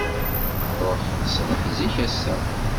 Nṛuḥ ssbeḥ zik ass-a.